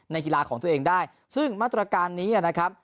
กีฬาของตัวเองได้ซึ่งมาตรการนี้นะครับ